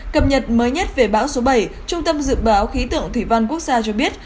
cập nhật mới nhất về bão số bảy trung tâm dự báo khí tượng thủy văn quốc gia cho biết